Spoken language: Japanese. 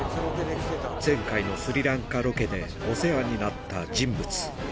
前回のスリランカロケでお世話になった人物。